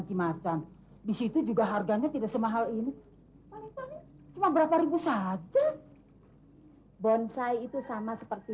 cimacan disitu juga harganya tidak semahal ini paling paling cuma berapa ribu saja bonsai itu sama seperti